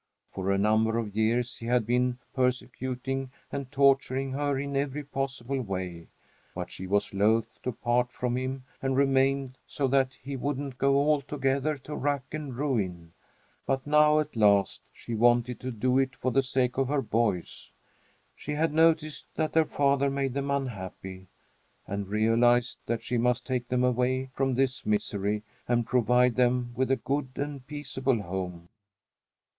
For a number of years he had been persecuting and torturing her in every possible way, but she was loath to part from him and remained, so that he wouldn't go altogether to rack and ruin. But now, at last, she wanted to do it for the sake of her boys. She had noticed that their father made them unhappy, and realized that she must take them away from this misery and provide them with a good and peaceable home.